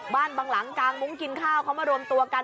บางหลังกางมุ้งกินข้าวเขามารวมตัวกัน